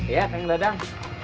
ya kang dadang